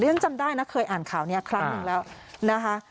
ฉันจำได้นะเคยอ่านข่าวนี้ครั้งหนึ่งแล้วนะคะ